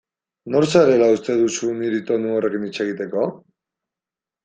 Nor zarela uste duzu niri tonu horrekin hitz egiteko?